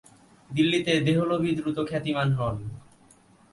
দিল্লিতে দেহলভী দ্রুত খ্যাতিমান হন।